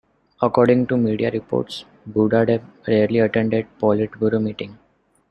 According to media reports Budhadeb rarely attended Politburo meeting.